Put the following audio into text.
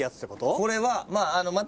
これはまあまた